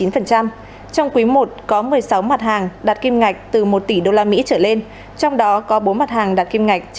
trong quý i có một mươi sáu mặt hàng đạt kim ngạch từ một tỷ usd trở lên trong đó có bốn mặt hàng đạt kim ngạch chín mươi